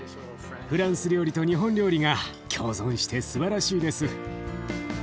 フランス料理と日本料理が共存してすばらしいです。